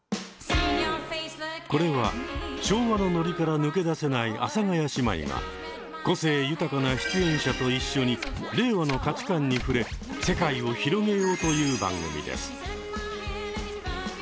これは昭和のノリから抜け出せない阿佐ヶ谷姉妹が個性豊かな出演者と一緒に令和の価値観に触れ世界を広げようという番組です。